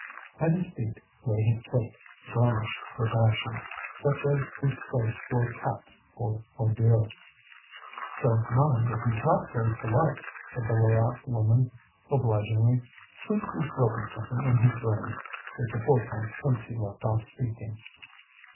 At his feet lay his plate, garnished with ashes, such as is placed for cats for ordure. "Don't mind if he's not very polite," said the Levaque woman, obligingly. "Seems he's broken something in his brain. It's a fortnight since he left off speaking."